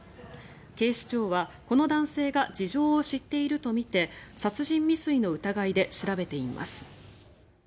警視庁は、この男性が事情を知っているとみて殺人未遂の疑いで調べています。